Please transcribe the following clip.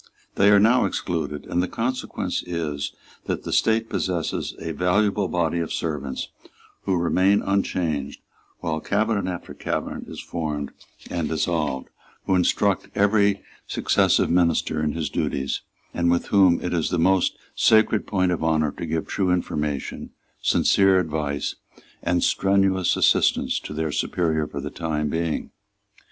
They are now excluded, and the consequence is that the State possesses a valuable body of servants who remain unchanged while cabinet after cabinet is formed and dissolved, who instruct every successive minister in his duties, and with whom it is the most sacred point of honour to give true information, sincere advise, and strenuous assistance to their superior for the time being.